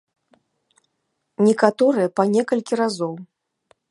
Некаторыя па некалькі разоў.